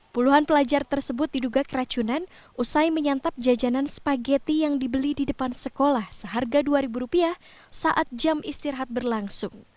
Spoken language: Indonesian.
puluhan pelajar tersebut diduga keracunan usai menyantap jajanan spageti yang dibeli di depan sekolah seharga rp dua saat jam istirahat berlangsung